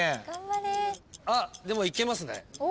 あっでもいけますね。